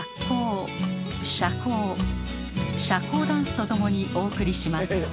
こう社交ダンスとともにお送りします。